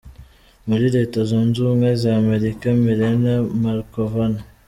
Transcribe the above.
muri Leta Zunze Ubumwe za Amerika, Milena Markovna